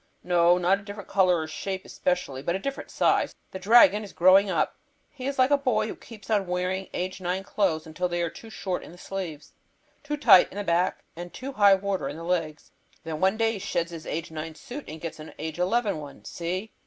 "No; not a different color or different shape especially, but a different size. The dragon is growing up. He is like a boy who keeps on wearing age nine clothes until they are too short in the sleeves, too tight in the back, and too high water in the legs. Then one day he sheds his age nine suit and gets an age eleven one. See?"